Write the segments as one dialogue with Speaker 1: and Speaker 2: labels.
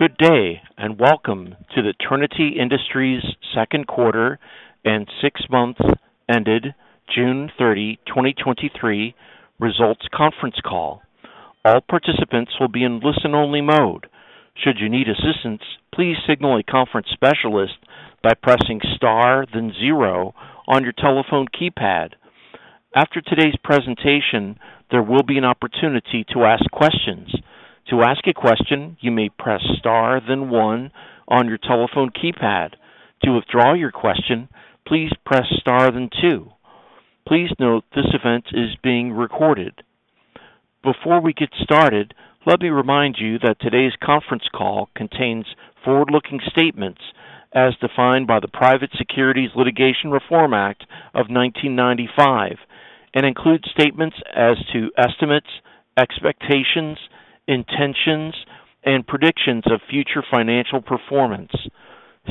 Speaker 1: Good day. Welcome to the Trinity Industries Q2 and six-month ended June 30, 2023 results conference call. All participants will be in listen-only mode. Should you need assistance, please signal a conference specialist by pressing Star then zero on your telephone keypad. After today's presentation, there will be an opportunity to ask questions. To ask a question, you may press Star then one on your telephone keypad. To withdraw your question, please press Star then two. Please note, this event is being recorded. Before we get started, let me remind you that today's conference call contains forward-looking statements as defined by the Private Securities Litigation Reform Act of 1995, and includes statements as to estimates, expectations, intentions, and predictions of future financial performance.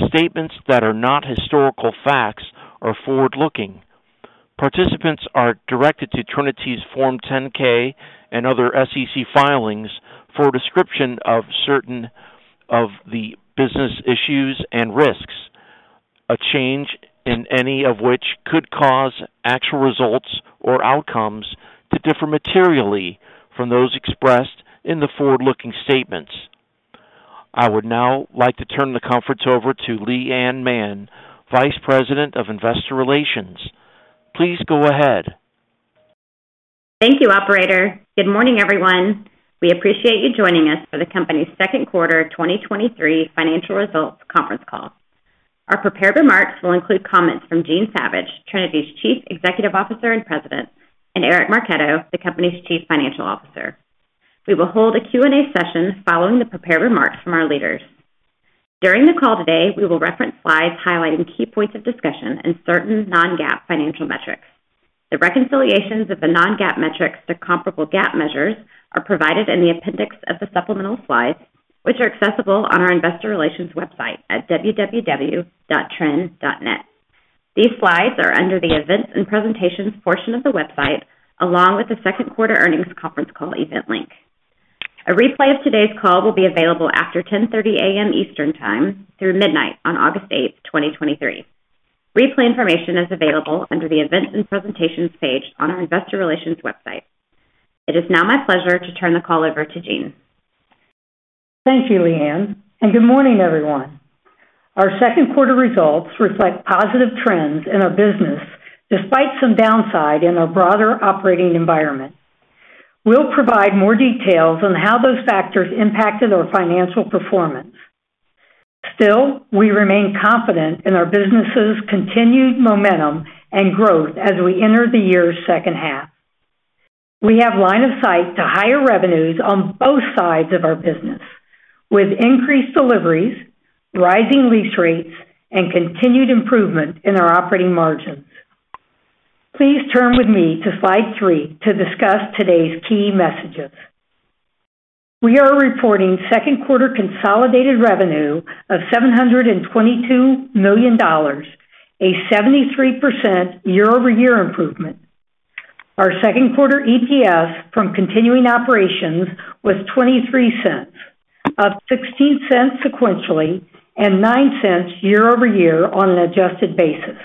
Speaker 1: Statements that are not historical facts are forward-looking. Participants are directed to Trinity's Form 10-K and other SEC filings for a description of certain of the business issues and risks, a change in any of which could cause actual results or outcomes to differ materially from those expressed in the forward-looking statements. I would now like to turn the conference over to Leigh Mann, Vice President of Investor Relations. Please go ahead.
Speaker 2: Thank you, operator. Good morning, everyone. We appreciate you joining us for the company's Q2 2023 financial results conference call. Our prepared remarks will include comments from Jean Savage, Trinity's Chief Executive Officer and President, and Eric Marchetto, the Company's Chief Financial Officer. We will hold a Q&A session following the prepared remarks from our leaders. During the call today, we will reference slides highlighting key points of discussion and certain non-GAAP financial metrics. The reconciliations of the non-GAAP metrics to comparable GAAP measures are provided in the appendix of the supplemental slides, which are accessible on our investor relations website at www.trin.net. These slides are under the Events and Presentations portion of the website, along with the Q2 earnings conference call event link. A replay of today's call will be available after 10:30 A.M. Eastern Time through midnight on August 8, 2023. Replay information is available under the Events and Presentations page on our investor relations website. It is now my pleasure to turn the call over to Jean.
Speaker 3: Thank you, Leigh. Good morning, everyone. Our Q2 results reflect positive trends in our business, despite some downside in our broader operating environment. We'll provide more details on how those factors impacted our financial performance. Still, we remain confident in our business's continued momentum and growth as we enter the year's second half. We have line of sight to higher revenues on both sides of our business, with increased deliveries, rising lease rates, and continued improvement in our operating margins. Please turn with me to slide three to discuss today's key messages. We are reporting Q2 consolidated revenue of $722 million, a 73% year-over-year improvement. Our Q2 EPS from continuing operations was $0.23, up $0.16 sequentially and $0.09 year-over-year on an adjusted basis.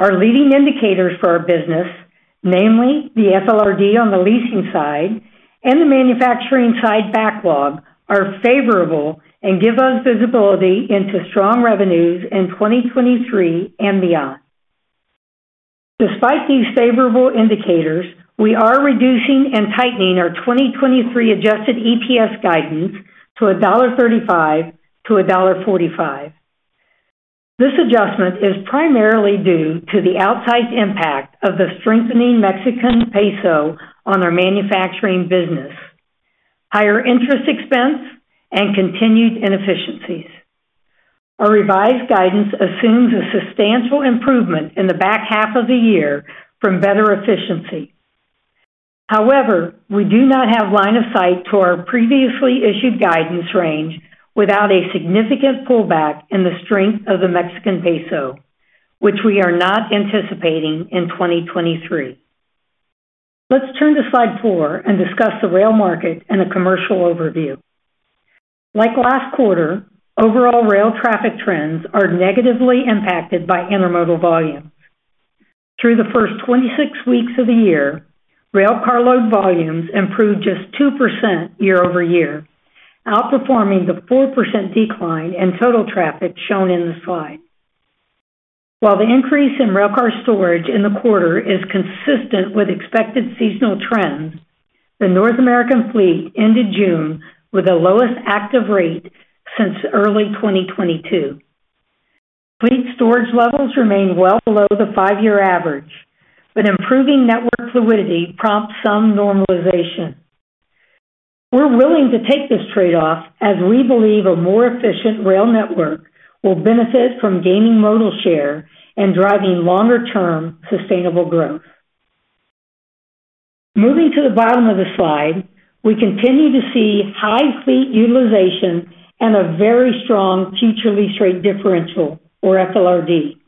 Speaker 3: Our leading indicators for our business, namely the FLRD on the leasing side and the manufacturing side backlog, are favorable and give us visibility into strong revenues in 2023 and beyond. Despite these favorable indicators, we are reducing and tightening our 2023 adjusted EPS guidance to $1.35-$1.45. This adjustment is primarily due to the outsized impact of the strengthening Mexican peso on our manufacturing business, higher interest expense, and continued inefficiencies. Our revised guidance assumes a substantial improvement in the back half of the year from better efficiency. However, we do not have line of sight to our previously issued guidance range without a significant pullback in the strength of the Mexican peso, which we are not anticipating in 2023. Let's turn to slide four and discuss the rail market and a commercial overview. Like last quarter, overall rail traffic trends are negatively impacted by intermodal volumes. Through the first 26 weeks of the year, rail carload volumes improved just 2% year-over-year, outperforming the 4% decline in total traffic shown in the slide. While the increase in railcar storage in the quarter is consistent with expected seasonal trends, the North American fleet ended June with the lowest active rate since early 2022. Fleet storage levels remain well below the five-year average, but improving network fluidity prompts some normalization. We're willing to take this trade-off, as we believe a more efficient rail network will benefit from gaining modal share and driving longer-term sustainable growth. Moving to the bottom of the slide, we continue to see high fleet utilization and a very strong future lease rate differential, or FLRD,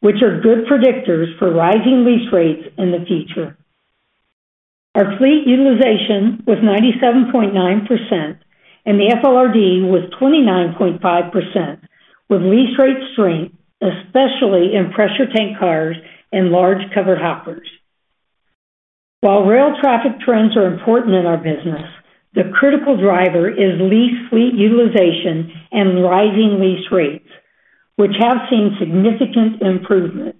Speaker 3: which are good predictors for rising lease rates in the future. Our fleet utilization was 97.9%, and the FLRD was 29.5%, with lease rate strength, especially in pressure tank cars and large covered hoppers. While rail traffic trends are important in our business, the critical driver is lease fleet utilization and rising lease rates, which have seen significant improvement.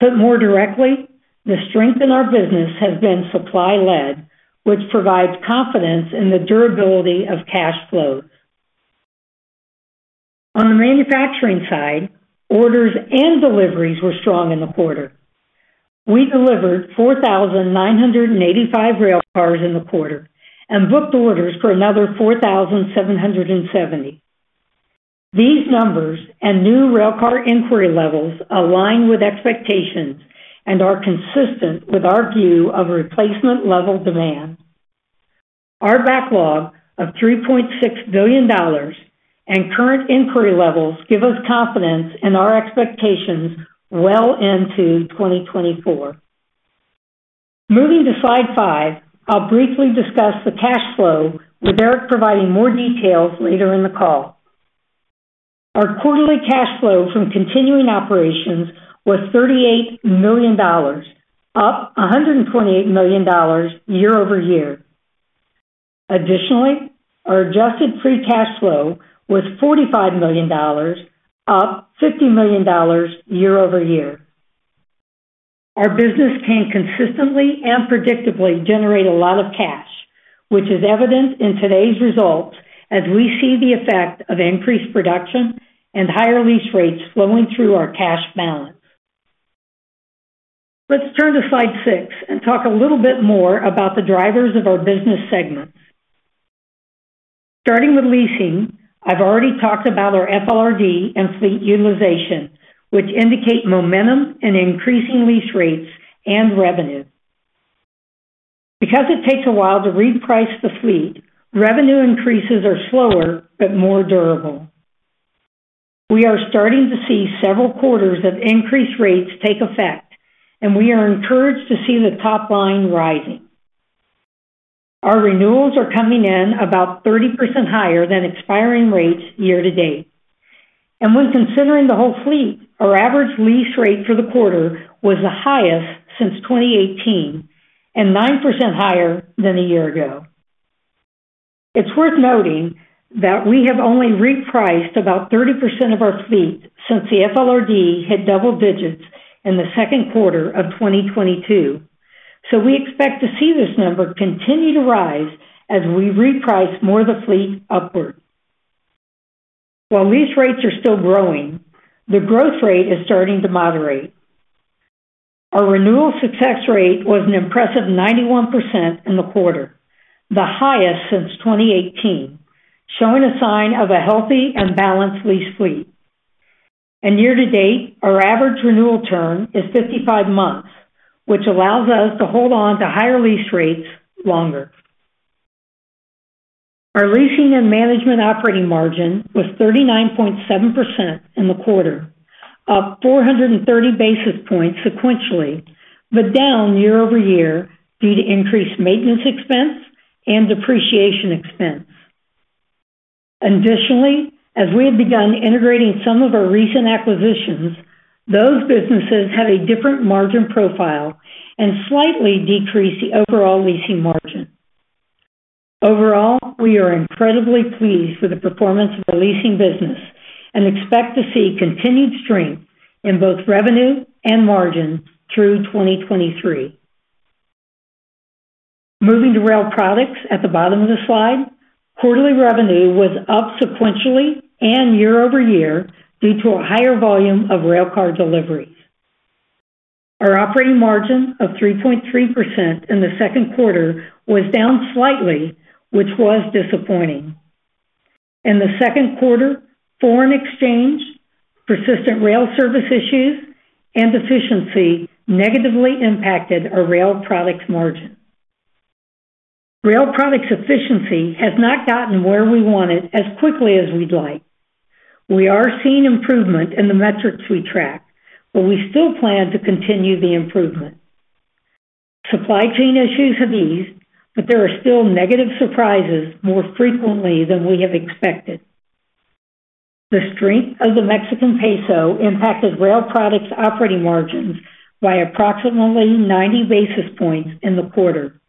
Speaker 3: Put more directly, the strength in our business has been supply-led, which provides confidence in the durability of cash flows. On the manufacturing side, orders and deliveries were strong in the quarter. We delivered 4,985 rail cars in the quarter and booked orders for another 4,770. These numbers and new railcar inquiry levels align with expectations and are consistent with our view of replacement level demand. Our backlog of $3.6 billion and current inquiry levels give us confidence in our expectations well into 2024. Moving to slide five, I'll briefly discuss the cash flow, with Eric providing more details later in the call. Our quarterly cash flow from continuing operations was $38 million, up $128 million year-over-year. Additionally, our adjusted free cash flow was $45 million, up $50 million year-over-year. Our business can consistently and predictably generate a lot of cash, which is evident in today's results as we see the effect of increased production and higher lease rates flowing through our cash balance. Let's turn to slide six and talk a little bit more about the drivers of our business segments. Starting with leasing, I've already talked about our FLRD and fleet utilization, which indicate momentum and increasing lease rates and revenue. Because it takes a while to reprice the fleet, revenue increases are slower but more durable. We are starting to see several quarters of increased rates take effect. We are encouraged to see the top line rising. Our renewals are coming in about 30% higher than expiring rates year to date. When considering the whole fleet, our average lease rate for the quarter was the highest since 2018 and 9% higher than a year ago. It's worth noting that we have only repriced about 30% of our fleet since the FLRD hit double digits in the Q2 of 2022, so we expect to see this number continue to rise as we reprice more of the fleet upward. While lease rates are still growing, the growth rate is starting to moderate. Our renewal success rate was an impressive 91% in the quarter, the highest since 2018, showing a sign of a healthy and balanced lease fleet. Year to date, our average renewal term is 55 months, which allows us to hold on to higher lease rates longer. Our leasing and management operating margin was 39.7% in the quarter, up 430 basis points sequentially, but down year-over-year due to increased maintenance expense and depreciation expense. Additionally, as we have begun integrating some of our recent acquisitions, those businesses have a different margin profile and slightly decrease the overall leasing margin. Overall, we are incredibly pleased with the performance of the leasing business and expect to see continued strength in both revenue and margin through 2023. Moving to rail products at the bottom of the slide, quarterly revenue was up sequentially and year-over-year due to a higher volume of railcar deliveries. Our operating margin of 3.3% in the Q2 was down slightly, which was disappointing. In the Q2, foreign exchange, persistent rail service issues, and efficiency negatively impacted our rail products margin. Rail products efficiency has not gotten where we want it as quickly as we'd like. We are seeing improvement in the metrics we track, but we still plan to continue the improvement. Supply chain issues have eased, but there are still negative surprises more frequently than we have expected. The strength of the Mexican peso impacted rail products operating margins by approximately 90 basis points in the quarter.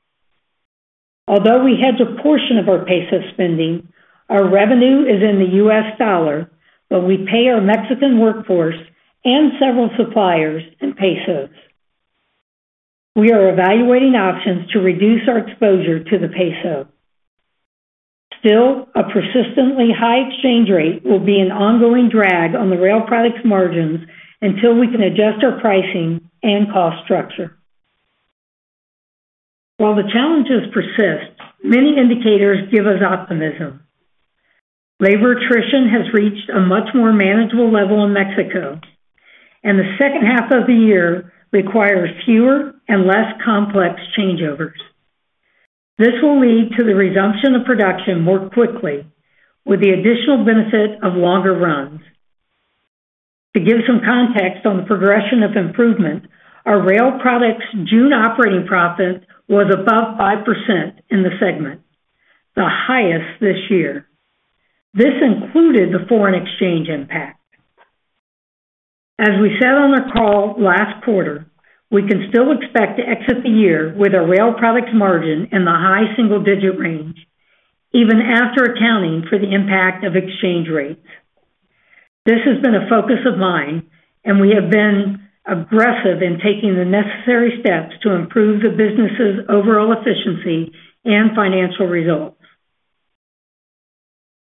Speaker 3: We hedge a portion of our peso spending, our revenue is in the US dollar, but we pay our Mexican workforce and several suppliers in pesos. We are evaluating options to reduce our exposure to the peso. A persistently high exchange rate will be an ongoing drag on the rail products margins until we can adjust our pricing and cost structure. The challenges persist, many indicators give us optimism. Labor attrition has reached a much more manageable level in Mexico. The second half of the year requires fewer and less complex changeovers. This will lead to the resumption of production more quickly, with the additional benefit of longer runs. To give some context on the progression of improvement, our rail products June operating profit was above 5% in the segment, the highest this year. This included the foreign exchange impact. As we said on the call last quarter, we can still expect to exit the year with a rail products margin in the high single-digit range, even after accounting for the impact of exchange rates. This has been a focus of mine, and we have been aggressive in taking the necessary steps to improve the business's overall efficiency and financial results.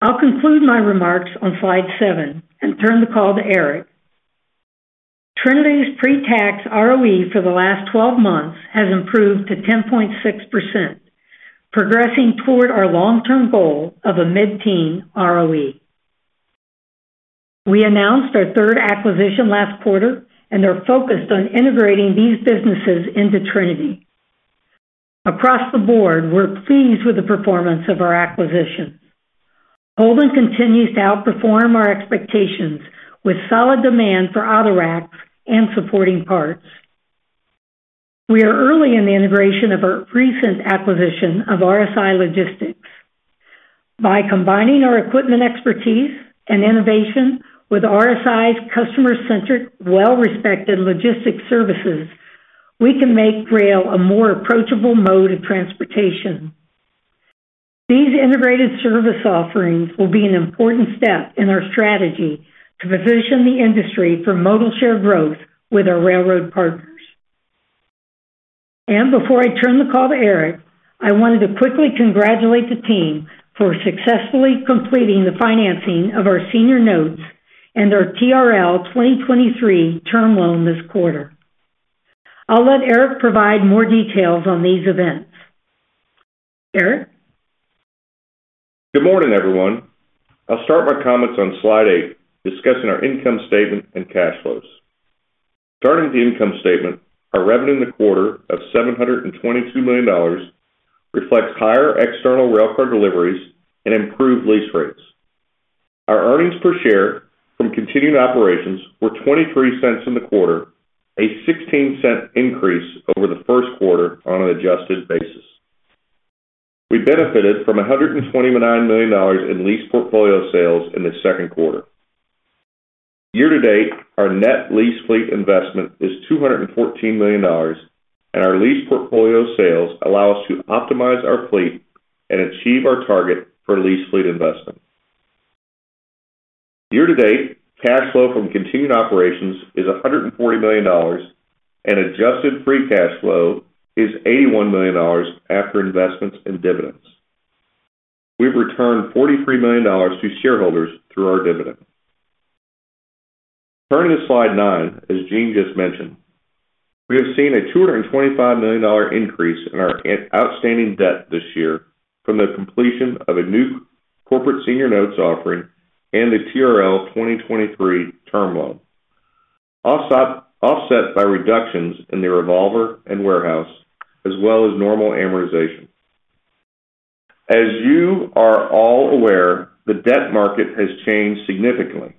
Speaker 3: I'll conclude my remarks on slide seven and turn the call to Eric. Trinity's pre-tax ROE for the last twelve months has improved to 10.6%, progressing toward our long-term goal of a mid-teen ROE. We announced our third acquisition last quarter and are focused on integrating these businesses into Trinity. Across the board, we're pleased with the performance of our acquisitions. Holden continues to outperform our expectations, with solid demand for autoracks and supporting parts. We are early in the integration of our recent acquisition of RSI Logistics. By combining our equipment expertise and innovation with RSI's customer-centric, well-respected logistics services, we can make rail a more approachable mode of transportation. These integrated service offerings will be an important step in our strategy to position the industry for modal share growth with our railroad partners. Before I turn the call to Eric, I wanted to quickly congratulate the team for successfully completing the financing of our senior notes and our TRL-2023 term loan this quarter. I'll let Eric provide more details on these events. Eric?
Speaker 4: Good morning, everyone. I'll start my comments on slide eight, discussing our income statement and cash flows. Starting with the income statement, our revenue in the quarter of $722 million reflects higher external railcar deliveries and improved lease rates. Our earnings per share from continuing operations were $0.23 in the quarter, a $0.16 increase over the Q1 on an adjusted basis. We benefited from $129 million in lease portfolio sales in the Q2. Year to date, our net lease fleet investment is $214 million. Our lease portfolio sales allow us to optimize our fleet and achieve our target for lease fleet investment. Year-to- date, cash flow from continuing operations is $140 million, and adjusted free cash flow is $81 million after investments and dividends. We've returned $43 million to shareholders through our dividend. Turning to slide nine, as Jean just mentioned, we have seen a $225 million increase in our outstanding debt this year from the completion of a new corporate senior notes offering and the TRL 2023 term loan, offset by reductions in the revolver and warehouse, as well as normal amortization. As you are all aware, the debt market has changed significantly,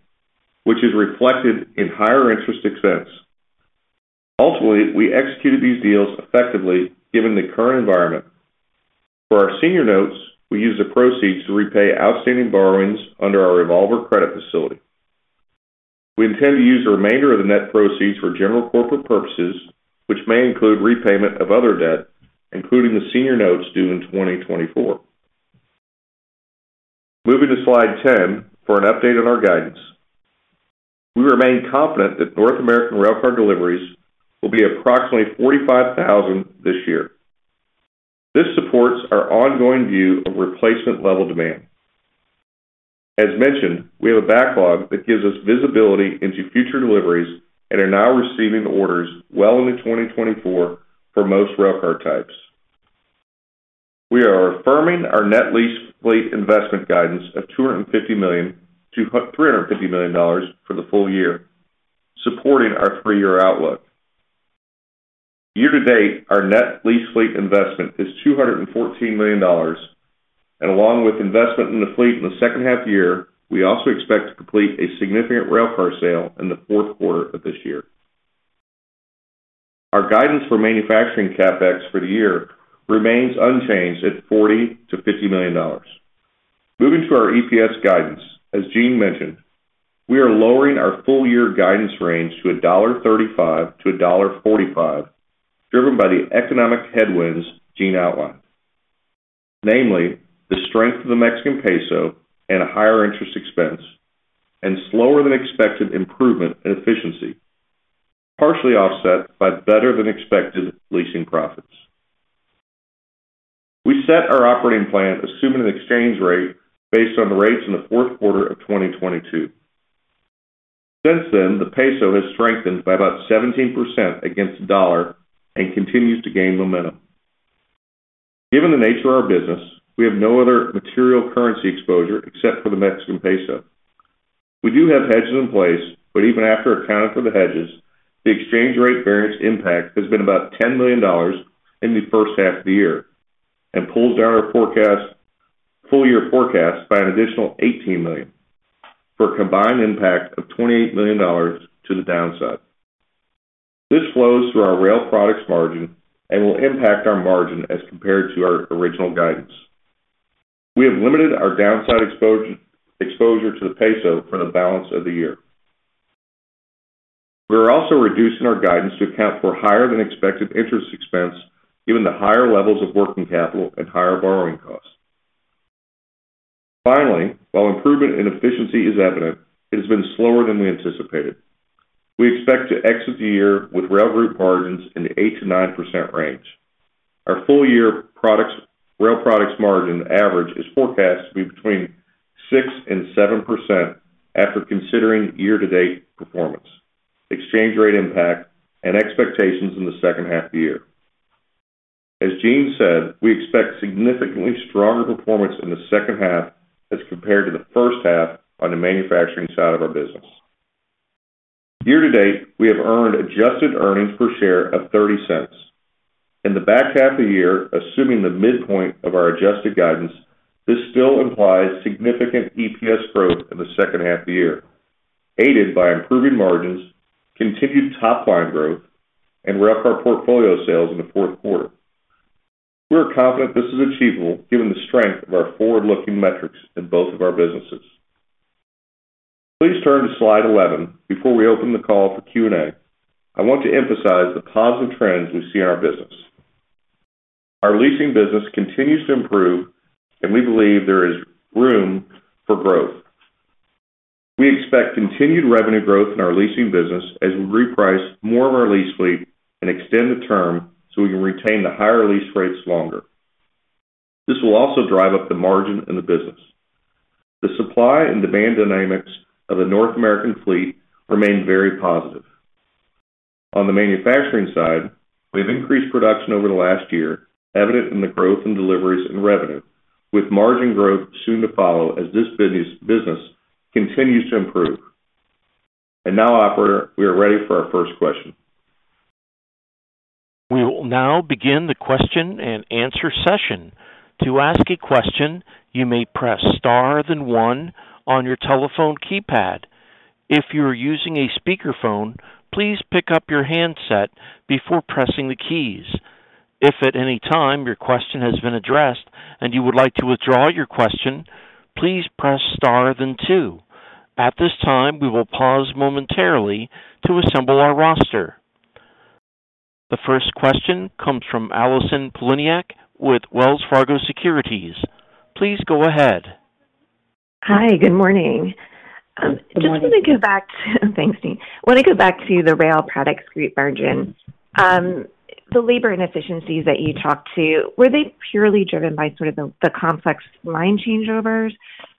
Speaker 4: which is reflected in higher interest expense. Ultimately, we executed these deals effectively given the current environment. For our senior notes, we used the proceeds to repay outstanding borrowings under our revolver credit facility. We intend to use the remainder of the net proceeds for general corporate purposes, which may include repayment of other debt, including the senior notes due in 2024. Moving to slide 10 for an update on our guidance. We remain confident that North American railcar deliveries will be approximately 45,000 this year. This supports our ongoing view of replacement level demand. As mentioned, we have a backlog that gives us visibility into future deliveries and are now receiving orders well into 2024 for most railcar types. We are affirming our net lease fleet investment guidance of $250 million-$350 million for the full year, supporting our three-year outlook. Year to date, our net lease fleet investment is $214 million, and along with investment in the fleet in the second half of the year, we also expect to complete a significant railcar sale in the Q4 of this year. Our guidance for manufacturing CapEx for the year remains unchanged at $40 million-$50 million. Moving to our EPS guidance, as Gene mentioned, we are lowering our full year guidance range to $1.35-$1.45, driven by the economic headwinds Gene outlined. Namely, the strength of the Mexican peso and a higher interest expense, and slower than expected improvement in efficiency, partially offset by better than expected leasing profits. We set our operating plan assuming an exchange rate based on the rates in the Q4 of 2022. Since then, the peso has strengthened by about 17% against the dollar and continues to gain momentum. Given the nature of our business, we have no other material currency exposure except for the Mexican peso. We do have hedges in place, even after accounting for the hedges, the exchange rate variance impact has been about $10 million in the first half of the year and pulls down our forecast... full year forecast by an additional $18 million, for a combined impact of $28 million to the downside. This flows through our rail products margin and will impact our margin as compared to our original guidance. We have limited our downside exposure, exposure to the Peso for the balance of the year. We are also reducing our guidance to account for higher than expected interest expense, given the higher levels of working capital and higher borrowing costs. Finally, while improvement in efficiency is evident, it has been slower than we anticipated. We expect to exit the year with rail group margins in the 8%-9% range. Our full year products, rail products margin average is forecast to be between 6%-7% after considering year-to-date performance, exchange rate impact, and expectations in the second half of the year. As Gene said, we expect significantly stronger performance in the second half as compared to the first half on the manufacturing side of our business. Year-to-date, we have earned adjusted EPS of $0.30. In the back half of the year, assuming the midpoint of our adjusted guidance, this still implies significant EPS growth in the second half of the year, aided by improving margins, continued top line growth, and railcar portfolio sales in the Q4. We are confident this is achievable given the strength of our forward-looking metrics in both of our businesses. Please turn to slide 11 before we open the call for Q&A. I want to emphasize the positive trends we see in our business. Our leasing business continues to improve, and we believe there is room for growth. We expect continued revenue growth in our leasing business as we reprice more of our lease fleet and extend the term so we can retain the higher lease rates longer. This will also drive up the margin in the business. The supply and demand dynamics of the North American fleet remain very positive. On the manufacturing side, we've increased production over the last year, evident in the growth in deliveries and revenue, with margin growth soon to follow as this business continues to improve. Now, operator, we are ready for our first question.
Speaker 1: We will now begin the question and answer session. To ask a question, you may press star then one on your telephone keypad. If you are using a speakerphone, please pick up your handset before pressing the keys. If at any time your question has been addressed and you would like to withdraw your question, please press star then two. At this time, we will pause momentarily to assemble our roster. The first question comes from Allison Poliniak with Wells Fargo Securities. Please go ahead.
Speaker 5: Hi, good morning.
Speaker 3: Good morning.
Speaker 5: Just want to get back to thanks, Gene. I want to go back to the rail products group margin. The labor inefficiencies that you talked to, were they purely driven by sort of the, the complex line changeovers?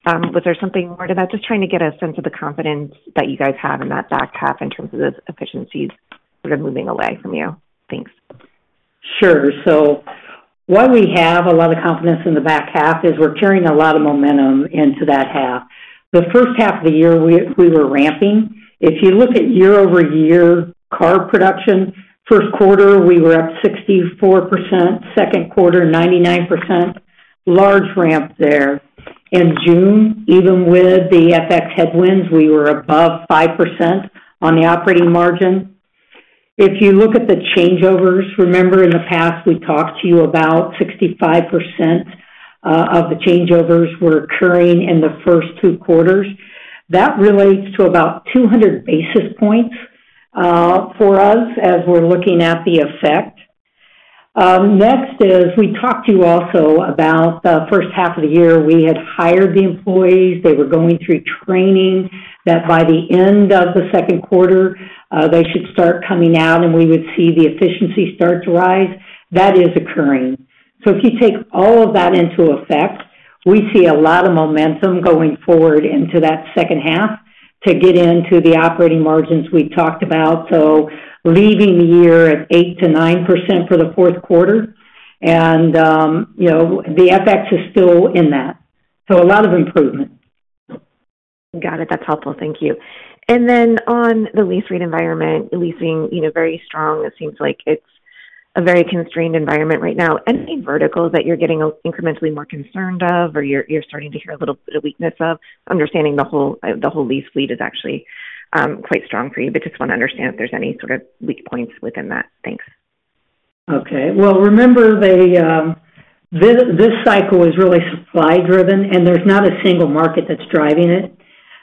Speaker 5: Was there something more to that? Just trying to get a sense of the confidence that you guys have in that back half in terms of those efficiencies sort of moving away from you. Thanks.
Speaker 3: Sure. Why we have a lot of confidence in the back half is we're carrying a lot of momentum into that half. The first half of the year, we were ramping. If you look at year-over-year car production, Q1, we were up 64%, Q2, 99%. Large ramp there. In June, even with the FX headwinds, we were above 5% on the operating margin. If you look at the changeovers, remember in the past, we talked to you about 65% of the changeovers were occurring in the first two quarters. That relates to about 200 basis points for us as we're looking at the effect. Next is we talked to you also about the first half of the year, we had hired the employees. They were going through training, that by the end of the Q2, they should start coming out, and we would see the efficiency start to rise. That is occurring. If you take all of that into effect, we see a lot of momentum going forward into that second half to get into the operating margins we've talked about. Leaving the year at 8%-9% for the Q4, and, you know, the FX is still in that. A lot of improvement.
Speaker 5: Got it. That's helpful. Thank you. Then on the lease rate environment, leasing, you know, very strong. It seems like it's a very constrained environment right now. Any verticals that you're getting incrementally more concerned of, or you're, you're starting to hear a little bit of weakness of, understanding the whole, the whole lease fleet is actually quite strong for you, but just want to understand if there's any sort of weak points within that? Thanks.
Speaker 3: Okay. Well, remember, the, this, this cycle is really supply driven, and there's not a single market that's driving it.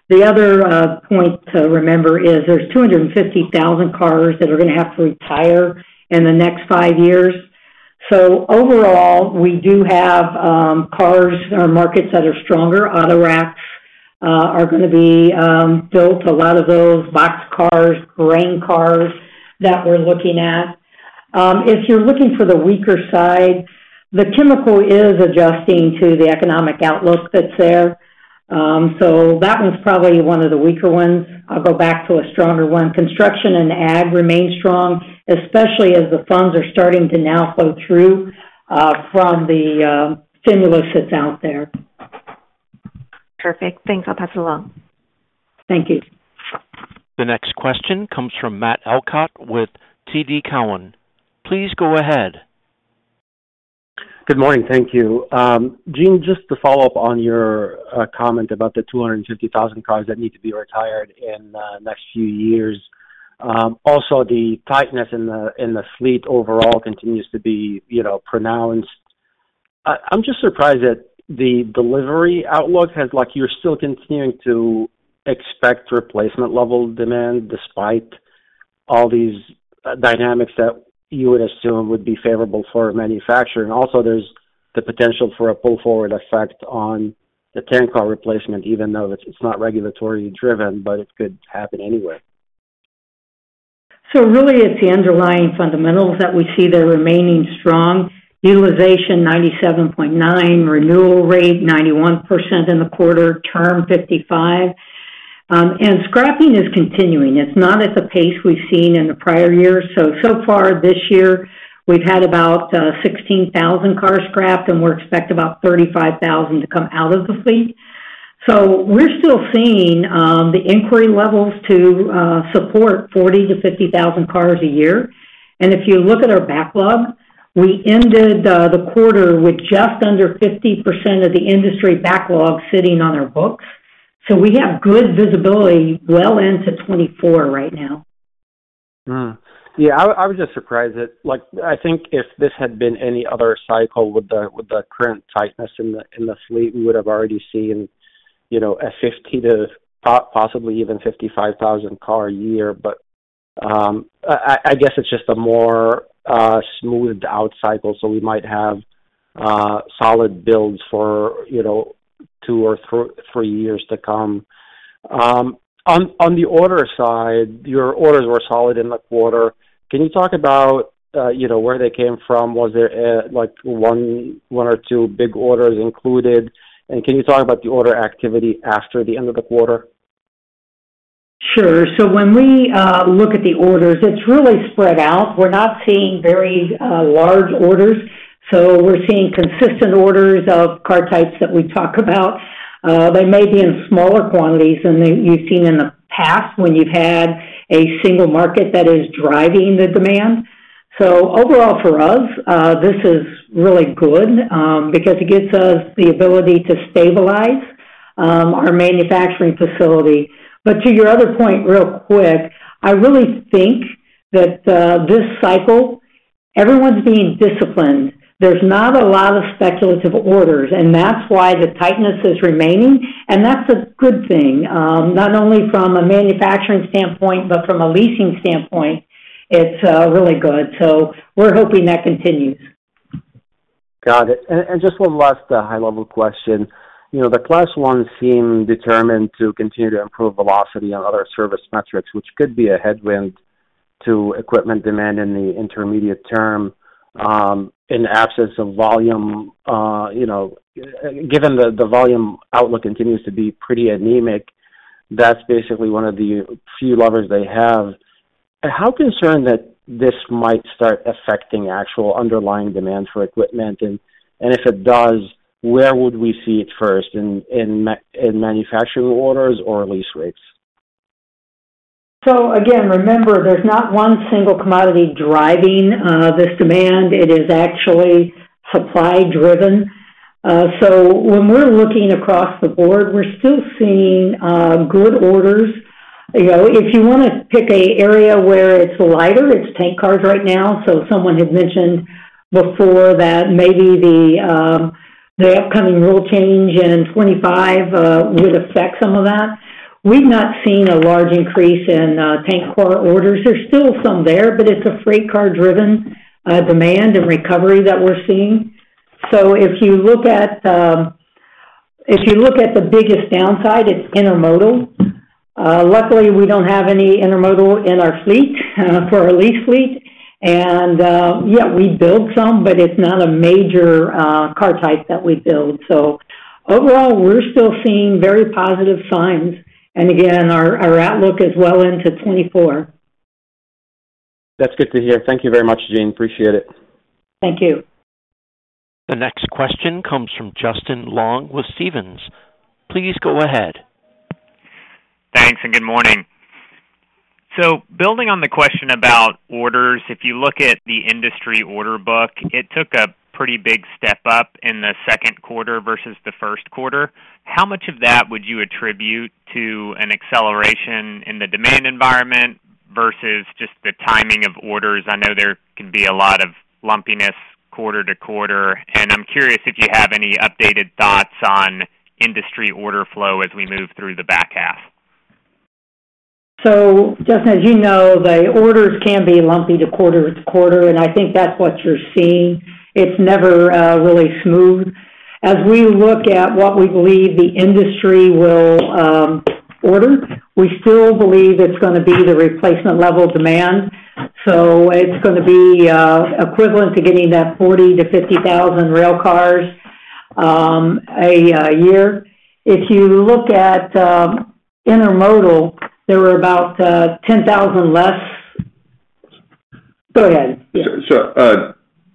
Speaker 3: The other point to remember is there's 250,000 cars that are going to have to retire in the next five years. Overall, we do have cars or markets that are stronger. Autoracks are going to be built, a lot of those box cars, grain cars that we're looking at. If you're looking for the weaker side, the chemical is adjusting to the economic outlook that's there. That one's probably one of the weaker ones. I'll go back to a stronger one. Construction and ag remain strong, especially as the funds are starting to now flow through from the stimulus that's out there.
Speaker 5: Perfect. Thanks. I'll pass it along.
Speaker 3: Thank you.
Speaker 1: The next question comes from Matt Elkott with TD Cowen. Please go ahead.
Speaker 6: Good morning. Thank you. Jean, just to follow up on your comment about the 250,000 cars that need to be retired in the next few years. Also, the tightness in the fleet overall continues to be, you know, pronounced. Like, you're still continuing to expect replacement level demand, despite all these dynamics that you would assume would be favorable for a manufacturer. Also, there's the potential for a pull-forward effect on the tank car replacement, even though it's not regulatory driven, but it could happen anyway.
Speaker 3: Really, it's the underlying fundamentals that we see they're remaining strong. Utilization, 97.9, renewal rate, 91% in the quarter, term, 55. Scrapping is continuing. It's not at the pace we've seen in the prior years. So far this year, we've had about 16,000 cars scrapped, and we expect about 35,000 to come out of the fleet. We're still seeing the inquiry levels to support 40,000-50,000 cars a year. If you look at our backlog, we ended the quarter with just under 50% of the industry backlog sitting on our books. We have good visibility well into 2024 right now.
Speaker 6: Yeah, I, I was just surprised that, like, I think if this had been any other cycle with the, with the current tightness in the, in the fleet, we would have already seen, you know, a 50 to possibly even 55,000 car a year. I, I, I guess it's just a more smoothed out cycle, so we might have solid builds for, you know, two or three years to come. On, on the order side, your orders were solid in the quarter. Can you talk about, you know, where they came from? Was there, like one or two big orders included, and can you talk about the order activity after the end of the quarter?
Speaker 3: Sure. When we look at the orders, it's really spread out. We're not seeing very large orders. We're seeing consistent orders of car types that we talk about. They may be in smaller quantities than you've seen in the past, when you've had a single market that is driving the demand. Overall, for us, this is really good, because it gives us the ability to stabilize our manufacturing facility. To your other point, real quick, I really think that this cycle, everyone's being disciplined. There's not a lot of speculative orders, and that's why the tightness is remaining, and that's a good thing, not only from a manufacturing standpoint, but from a leasing standpoint, it's really good. We're hoping that continues.
Speaker 6: Got it. And just one last high-level question. You know, the Class I seem determined to continue to improve velocity on other service metrics, which could be a headwind to equipment demand in the intermediate term. In the absence of volume, you know, given that the volume outlook continues to be pretty anemic, that's basically one of the few levers they have. How concerned that this might start affecting actual underlying demand for equipment, and, and if it does, where would we see it first, in manufacturing orders or lease rates?
Speaker 3: Again, remember, there's not one single commodity driving this demand. It is actually supply driven. When we're looking across the board, we're still seeing good orders. You know, if you want to pick a area where it's lighter, it's tank cars right now. Someone had mentioned before that maybe the upcoming rule change in 2025 would affect some of that. We've not seen a large increase in tank car orders. There's still some there, but it's a freight car-driven demand and recovery that we're seeing. If you look at if you look at the biggest downside, it's intermodal. Luckily, we don't have any intermodal in our fleet, for our lease fleet. Yeah, we built some, but it's not a major car type that we build. Overall, we're still seeing very positive signs, and again, our, our outlook is well into 2024.
Speaker 6: That's good to hear. Thank you very much, Jean. Appreciate it.
Speaker 3: Thank you.
Speaker 1: The next question comes from Justin Long with Stephens. Please go ahead.
Speaker 7: Thanks, and good morning. Building on the question about orders, if you look at the industry order book, it took a pretty big step up in the Q2 versus the Q1. How much of that would you attribute to an acceleration in the demand environment versus just the timing of orders? I know there can be a lot of lumpiness quarter-to-quarter, and I'm curious if you have any updated thoughts on industry order flow as we move through the back half.
Speaker 3: Justin, as you know, the orders can be lumpy to quarter to quarter, and I think that's what you're seeing. It's never really smooth. As we look at what we believe the industry will order, we still believe it's gonna be the replacement level demand. It's gonna be equivalent to getting that 40,000-50,000 rail cars a year. If you look at intermodal, there were about 10,000. Go ahead.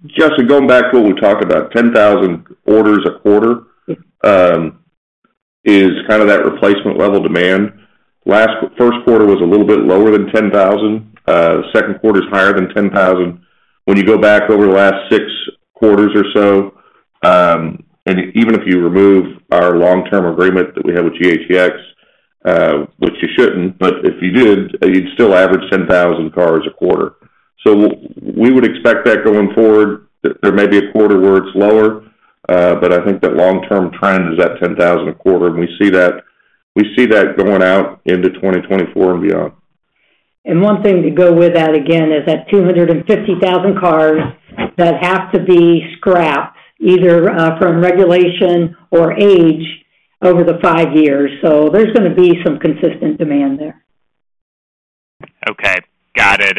Speaker 4: Justin, going back to what we talked about, 10,000 orders a quarter, is kind of that replacement level demand. Q1 was a little bit lower than 10,000. Q2 is higher than 10,000. When you go back over the last six quarters or so, and even if you remove our long-term agreement that we have with GATX, which you shouldn't, but if you did, you'd still average 10,000 cars a quarter. We would expect that going forward. There may be a quarter where it's lower, but I think the long-term trend is at 10,000 a quarter, and we see that, we see that going out into 2024 and beyond.
Speaker 3: One thing to go with that again, is that 250,000 cars that have to be scrapped, either from regulation or age over the five years, so there's gonna be some consistent demand there.
Speaker 7: Okay, got it.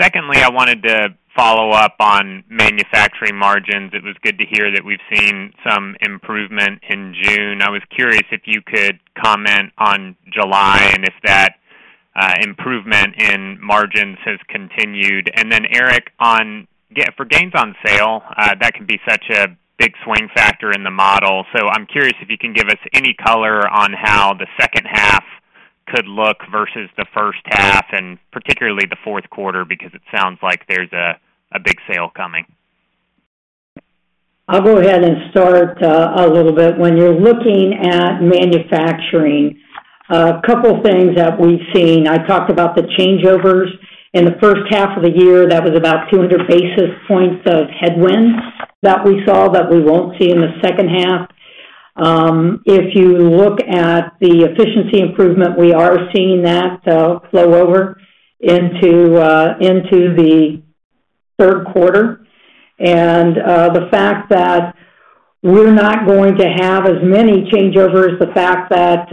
Speaker 7: Secondly, I wanted to follow up on manufacturing margins. It was good to hear that we've seen some improvement in June. I was curious if you could comment on July and if that improvement in margins has continued. Then, Eric, on gains on sale, that can be such a big swing factor in the model. I'm curious if you can give us any color on how the second half could look versus the first half, and particularly the Q4, because it sounds like there's a big sale coming.
Speaker 3: I'll go ahead and start a little bit. When you're looking at manufacturing, a couple things that we've seen, I talked about the changeovers. In the first half of the year, that was about 200 basis points of headwind that we saw, that we won't see in the second half. If you look at the efficiency improvement, we are seeing that flow over into the Q3. The fact that we're not going to have as many changeovers, the fact that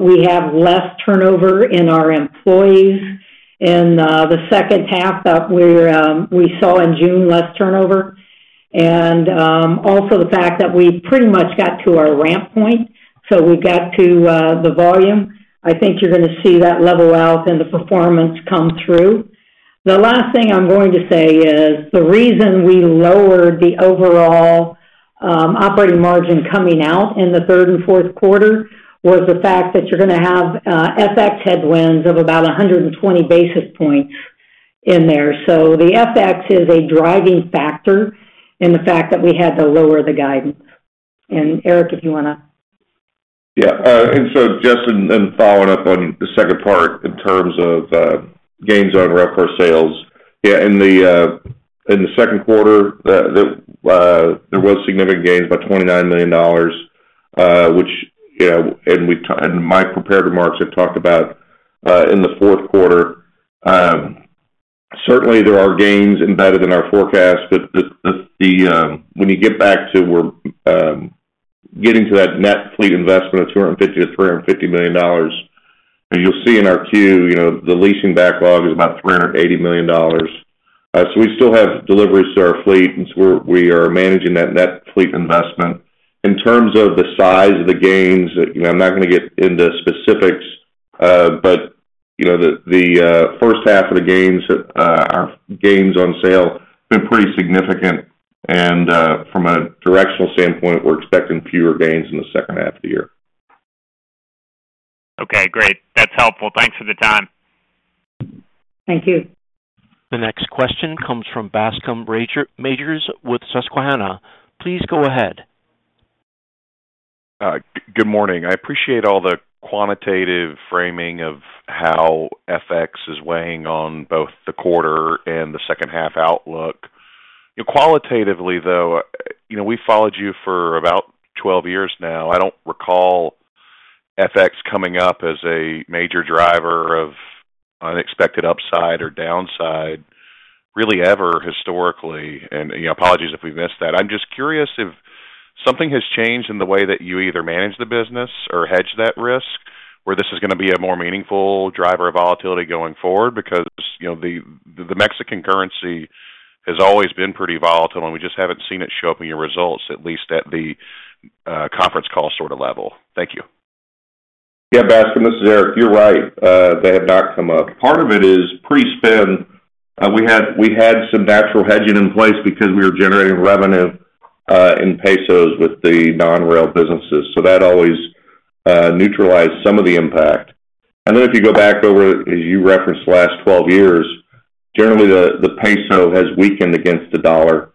Speaker 3: we have less turnover in our employees in the second half, that we're, we saw in June, less turnover, and also the fact that we pretty much got to our ramp point. We got to the volume. I think you're gonna see that level out and the performance come through. The last thing I'm going to say is, the reason we lowered the overall operating margin coming out in the third and Q4, was the fact that you're gonna have FX headwinds of about 120 basis points in there. The FX is a driving factor in the fact that we had to lower the guidance. Eric, if you wanna?
Speaker 4: Yeah, and so Justin, and following up on the second part in terms of gains on railcar sales. Yeah, in the in the Q2, the, the, there was significant gains, about $29 million, which, you know, and we've and my prepared remarks have talked about in the Q4, certainly there are gains embedded in our forecast, but the, the, when you get back to we're getting to that net fleet investment of $250 million-$350 million, and you'll see in our Q, you know, the leasing backlog is about $380 million. We still have deliveries to our fleet, and so we're, we are managing that net fleet investment. In terms of the size of the gains, you know, I'm not gonna get into specifics, but, you know, the, the, first half of the gains, our gains on sale have been pretty significant. From a directional standpoint, we're expecting fewer gains in the second half of the year.
Speaker 7: Okay, great. That's helpful. Thanks for the time.
Speaker 3: Thank you.
Speaker 1: The next question comes from Bascome Majors with Susquehanna. Please go ahead.
Speaker 8: Good morning. I appreciate all the quantitative framing of how FX is weighing on both the quarter and the second half outlook. Qualitatively, though, you know, we followed you for about 12 years now. I don't recall FX coming up as a major driver of unexpected upside or downside, really ever, historically, and, you know, apologies if we missed that. I'm just curious if something has changed in the way that you either manage the business or hedge that risk, where this is going to be a more meaningful driver of volatility going forward, because, you know, the Mexican currency has always been pretty volatile, and we just haven't seen it show up in your results, at least at the conference call sort of level. Thank you.
Speaker 4: Yeah, Bascome, this is Eric. You're right, they have not come up. Part of it is pre-spin. We had, we had some natural hedging in place because we were generating revenue in pesos with the non-rail businesses, so that always neutralized some of the impact. Then if you go back over, as you referenced, the last 12 years, generally, the peso has weakened against the dollar.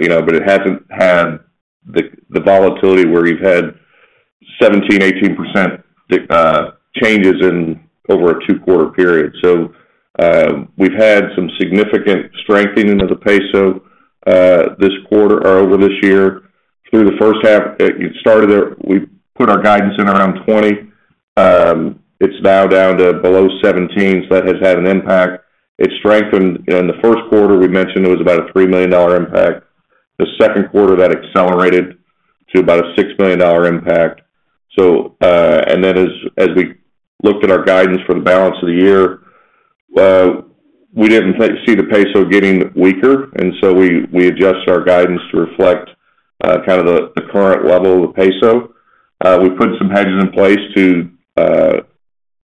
Speaker 4: You know, but it hasn't had the volatility where you've had 17%, 18% changes in over a two-quarter period. We've had some significant strengthening of the peso this quarter or over this year. Through the first half, it started there, we put our guidance in around 20. It's now down to below 17, so that has had an impact. It strengthened in the Q1. We mentioned it was about a $3 million impact. The Q2, that accelerated to about a $6 million impact. And then as, as we looked at our guidance for the balance of the year, we didn't see the peso getting weaker, and so we adjusted our guidance to reflect kind of the current level of the peso. We put some hedges in place to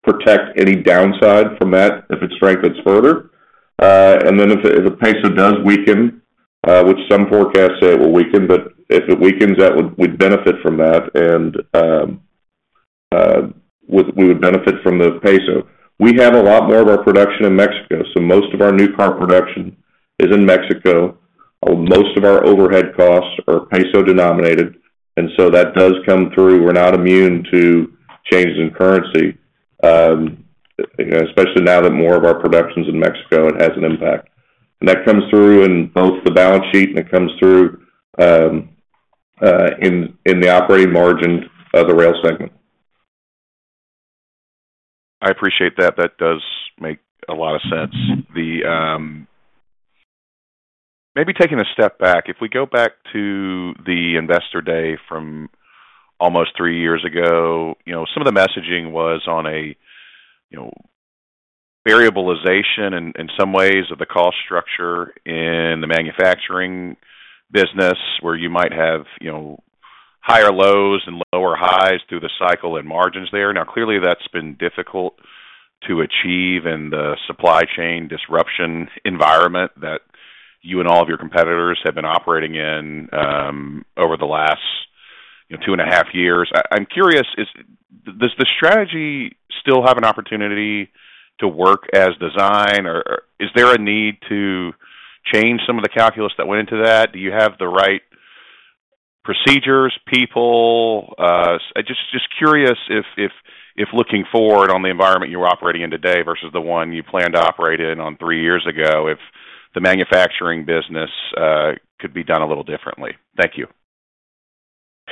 Speaker 4: protect any downside from that if it strengthens further. And then if the, if the peso does weaken, which some forecasts say it will weaken, but if it weakens, that would we'd benefit from that, and we would benefit from the peso. We have a lot more of our production in Mexico, so most of our new car production is in Mexico. Most of our overhead costs are peso-denominated, and so that does come through. We're not immune to changes in currency, you know, especially now that more of our production's in Mexico, it has an impact. That comes through in both the balance sheet, and it comes through in the operating margin of the rail segment.
Speaker 8: I appreciate that. That does make a lot of sense. Maybe taking a step back, if we go back to the Investor Day from almost three years ago, you know, some of the messaging was on a, you know, variabilization in, in some ways, of the cost structure in the manufacturing business, where you might have, you know, higher lows and lower highs through the cycle and margins there. Now, clearly, that's been difficult to achieve in the supply chain disruption environment that you and all of your competitors have been operating in, over the last two and a half years. I'm curious, does the strategy still have an opportunity to work as designed, or, or is there a need to change some of the calculus that went into that? Do you have the right procedures, people? Just, just curious if, if, if looking forward on the environment you're operating in today versus the one you planned to operate in on three years ago, if the manufacturing business could be done a little differently. Thank you.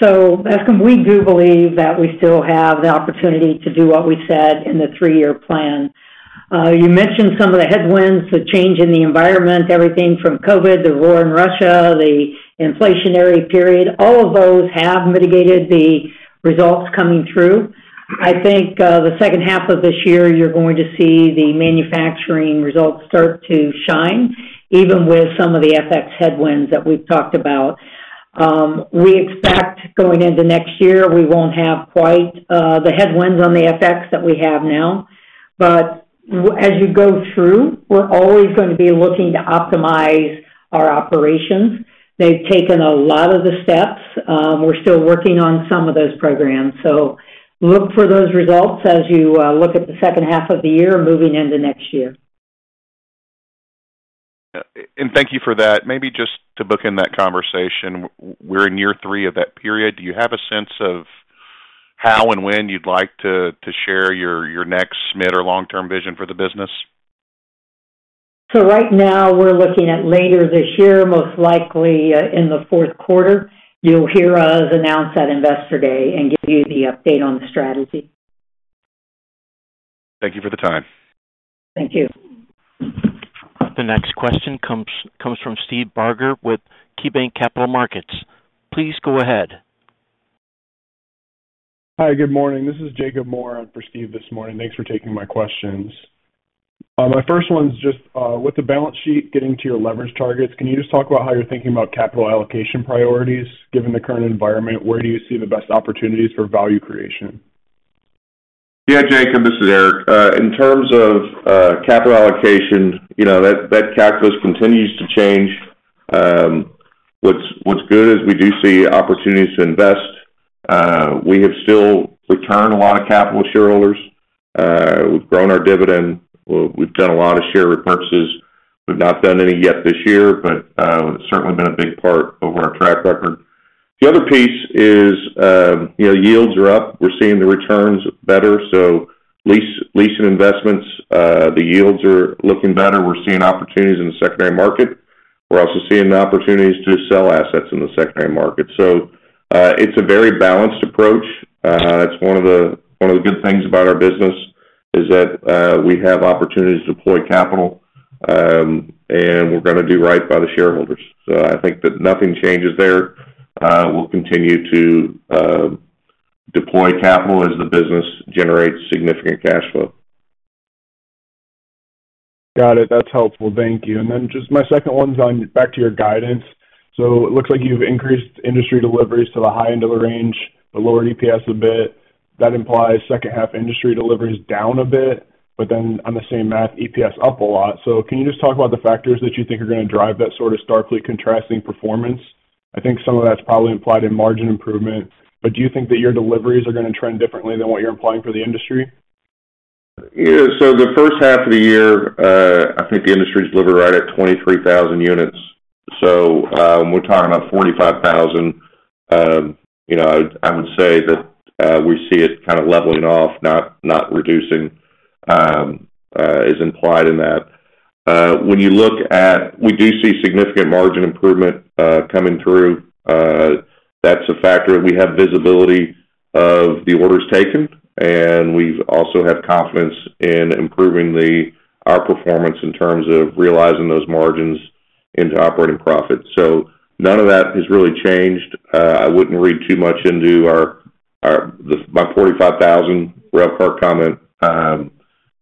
Speaker 3: We do believe that we still have the opportunity to do what we said in the three-year plan. You mentioned some of the headwinds, the change in the environment, everything from COVID, the war in Russia, the inflationary period, all of those have mitigated the results coming through. I think, the second half of this year, you're going to see the manufacturing results start to shine, even with some of the FX headwinds that we've talked about. We expect going into next year, we won't have quite, the headwinds on the FX that we have now, but as you go through, we're always gonna be looking to optimize our operations. They've taken a lot of the steps. We're still working on some of those programs, so look for those results as you look at the second half of the year moving into next year.
Speaker 8: Thank you for that. Maybe just to bookend that conversation, we're in year three of that period. Do you have a sense of how and when you'd like to, to share your, your next mid or long-term vision for the business?
Speaker 3: Right now, we're looking at later this year, most likely, in the Q4. You'll hear us announce that Investor Day and give you the update on the strategy.
Speaker 8: Thank you for the time.
Speaker 3: Thank you.
Speaker 1: The next question comes from Steve Barger with KeyBanc Capital Markets. Please go ahead.
Speaker 9: Hi, good morning. This is Jacob Moore in for Steve this morning. Thanks for taking my questions. My first one is just, with the balance sheet getting to your leverage targets, can you just talk about how you're thinking about capital allocation priorities, given the current environment? Where do you see the best opportunities for value creation?
Speaker 4: Yeah, Jacob, this is Eric. In terms of capital allocation, you know, that, that calculus continues to change. What's, what's good is we do see opportunities to invest. We have still returned a lot of capital to shareholders. We've grown our dividend. We've done a lot of share repurchases. We've not done any yet this year, but it's certainly been a big part over our track record. The other piece is, you know, yields are up. We're seeing the returns better, so lease, leasing investments, the yields are looking better. We're seeing opportunities in the secondary market. We're also seeing the opportunities to sell assets in the secondary market. It's a very balanced approach. It's one of the, one of the good things about our business, is that, we have opportunities to deploy capital, and we're gonna do right by the shareholders. I think that nothing changes there. We'll continue to deploy capital as the business generates significant cash flow.
Speaker 9: Got it. That's helpful. Thank you. Then just my second one's on back to your guidance. It looks like you've increased industry deliveries to the high end of the range, the lower EPS a bit. That implies second half industry deliveries down a bit, then on the same math, EPS up a lot. Can you just talk about the factors that you think are gonna drive that sort of starkly contrasting performance? I think some of that's probably implied in margin improvement, do you think that your deliveries are gonna trend differently than what you're implying for the industry?
Speaker 4: Yeah. The first half of the year, I think the industry delivered right at 23,000 units. We're talking about 45,000. You know, I, I would say that we see it kind of leveling off, not, not reducing, as implied in that. When you look at, we do see significant margin improvement coming through. That's a factor, and we have visibility of the orders taken, and we've also have confidence in improving the, our performance in terms of realizing those margins into operating profits. None of that has really changed. I wouldn't read too much into our, our the, my 45,000 railcar comment.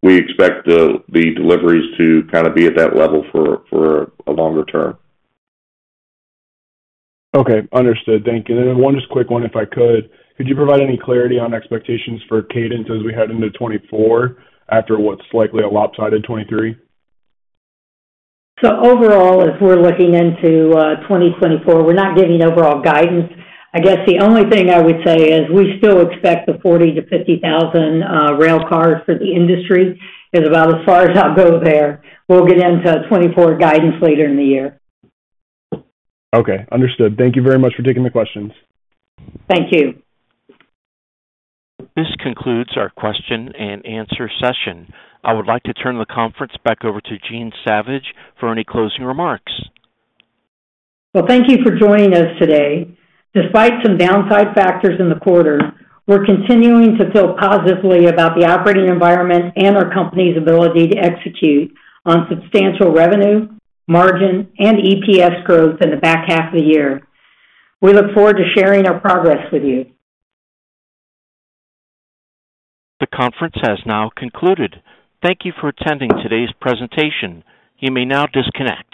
Speaker 4: We expect the, the deliveries to kind of be at that level for, for a longer term.
Speaker 9: Okay, understood. Thank you. Then one just quick one, if I could: Could you provide any clarity on expectations for cadence as we head into 2024, after what's likely a lopsided 2023?
Speaker 3: Overall, as we're looking into 2024, we're not giving overall guidance. I guess the only thing I would say is we still expect the 40,000-50,000 railcars for the industry, is about as far as I'll go there. We'll get into 2024 guidance later in the year.
Speaker 9: Okay, understood. Thank you very much for taking the questions.
Speaker 3: Thank you.
Speaker 1: This concludes our question and answer session. I would like to turn the conference back over to Jean Savage for any closing remarks.
Speaker 3: Well, thank you for joining us today. Despite some downside factors in the quarter, we're continuing to feel positively about the operating environment and our company's ability to execute on substantial revenue, margin, and EPS growth in the back half of the year. We look forward to sharing our progress with you.
Speaker 1: The conference has now concluded. Thank you for attending today's presentation. You may now disconnect.